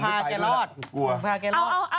หมุนกระพาใจรอด